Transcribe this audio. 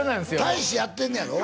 大使やってんねやろ？